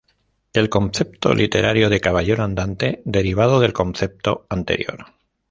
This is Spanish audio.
El concepto literario de caballero andante, derivado del concepto anterior.